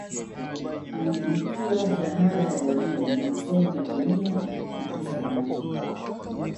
Alitunukiwa shahada ya ualimu masomo ya kemiana hisabati